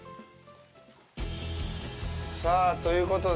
さあ、ということで。